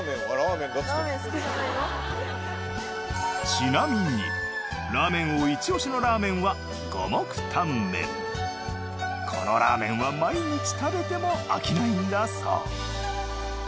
ちなみにラーメン王イチオシのラーメンはこのラーメンは毎日食べても飽きないんだそう。